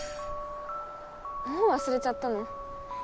もうわすれちゃったの？